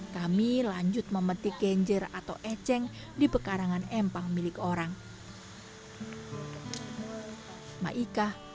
kami pergi ke sawah